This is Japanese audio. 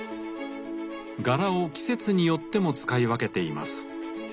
柄を季節によっても使い分けています。